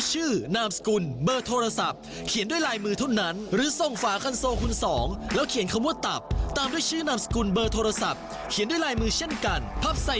จะเปิดใจปิดใจก็แล้วแต่แต่คุณต้องเปิดหูเปิดตา